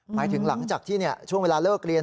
หมายถึงหลังจากที่ช่วงเวลาเลิกเรียน